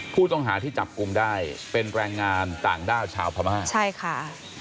ผู้ต้องหาที่จับกลุ่มได้เป็นแรงงานต่างด้าวชาวพม่าใช่ค่ะ